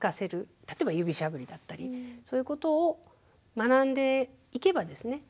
例えば指しゃぶりだったりそういうことを学んでいけばですね